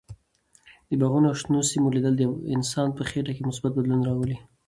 د باغونو او شنو سیمو لیدل د انسان په خټه کې مثبت بدلون راولي.